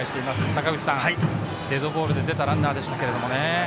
坂口さん、デッドボールで出たランナーでしたけれどもね。